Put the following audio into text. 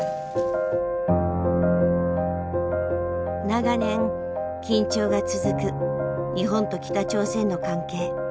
長年緊張が続く日本と北朝鮮の関係。